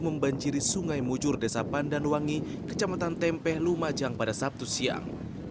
membanjiri sungai mujur desa pandanwangi kecamatan tempeh lumajang pada sabtu siang